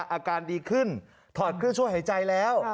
อาการดีขึ้นถอดเครื่องช่วยหายใจแล้ว